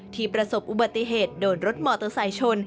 ประสบอุบัติเหตุโดนรถมอเตอร์ไซค์ชน